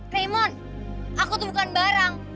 kremon aku tuh bukan barang